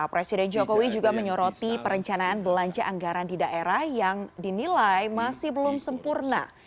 presiden jokowi juga menyoroti perencanaan belanja anggaran di daerah yang dinilai masih belum sempurna